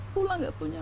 pulang tidak punya uang